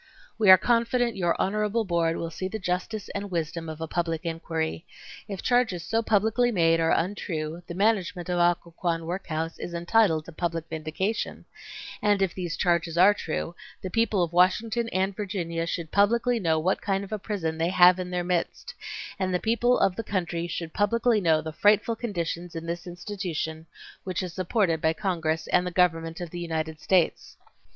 We are confident your honorable board will see the justice and wisdom of a public inquiry. If charges so publicly made are untrue the management of Occoquan work house is entitled to public vindication, and if these charges are true, the people of Washington and Virginia should publicly know what kind of a prison they have in their midst, and the people of the country should publicly know the frightful conditions in this institution which is supported by Congress and the government of the United States.